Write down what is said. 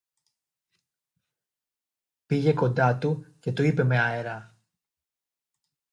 πήγε κοντά του και του είπε με αέρα: